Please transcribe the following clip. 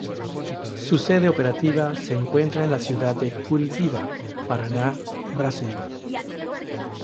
Su sede operativa se encuentra en la ciudad de Curitiba, Paraná, Brasil.